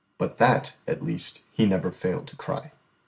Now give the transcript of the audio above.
_... But that, at least, He never failed to cry.